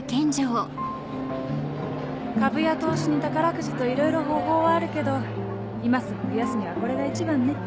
株や投資に宝くじといろいろ方法はあるけど今すぐ増やすにはこれが一番ね。